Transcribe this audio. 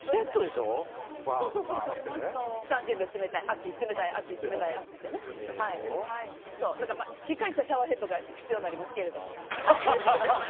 しっかりしたシャワーヘッドが必要になりますけど。